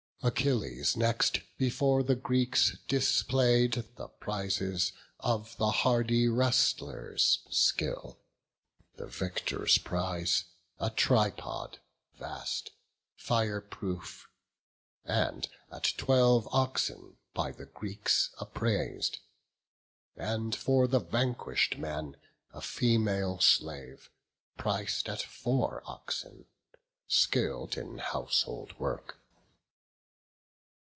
Achilles next before the Greeks display'd The prizes of the hardy wrestlers' skill: The victor's prize, a tripod vast, fire proof, And at twelve oxen by the Greeks apprais'd; And for the vanquish'd man, a female slave Pric'd at four oxen, skill'd in household work.